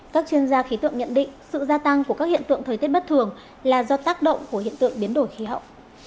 các chuyên gia khí tượng nhận định sự gia tăng của các hiện tượng thời tiết bất thường là do tác động của hiện tượng biến đổi khí hậu